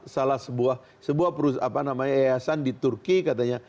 sebuah perusahaan di turki katanya